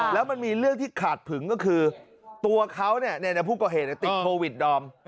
แล้วมันมีเรื่องที่ขาดผึงก็คือตัวเขาผู้ก่อเหตุติดโควิดดอม